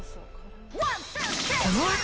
このあと、